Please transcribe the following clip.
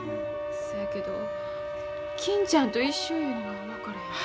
そやけど金ちゃんと一緒いうのが分からへんねん。